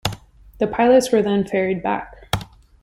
The pilots were then ferried back.